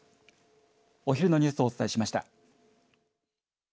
お昼のニュースをお伝えしました。